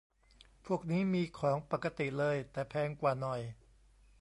พวกนี้มีของปกติเลย แต่แพงกว่าหน่อย